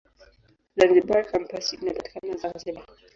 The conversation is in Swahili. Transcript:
Zanzibar Kampasi inapatikana Zanzibar.